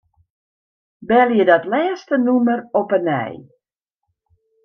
Belje dat lêste nûmer op 'e nij.